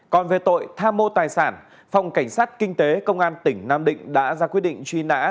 còn về tội tham mô tài sản phòng cảnh sát kinh tế công an tỉnh nam định đã ra quyết định truy nã